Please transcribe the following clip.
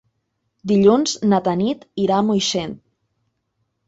Dilluns na Tanit irà a Moixent.